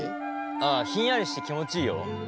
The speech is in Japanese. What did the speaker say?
あひんやりして気持ちいいよ。